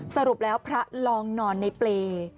สรุปแล้วพระลองนอนในเปรย์